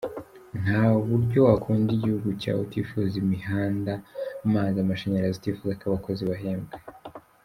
Ntaburyo wakunda igihugu cyawe utifuza imihanda, amazi, amashanyarazi, utifuza ko abakozi bahembwa.